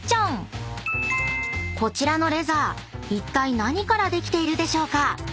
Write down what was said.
［こちらのレザーいったい何からできているでしょうか？］